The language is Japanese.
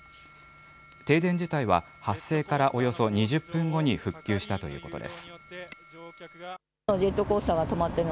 停電自体は、発生からおよそ２０分後に復旧したということです。